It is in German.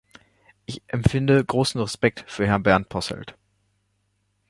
Ich empfinde großen Respekt für Herrn Bernd Posselt.